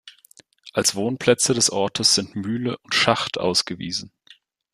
Als Wohnplätze des Ortes sind „Mühle“ und „Schacht“ ausgewiesen.